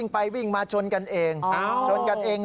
ไปวิ่งมาชนกันเอง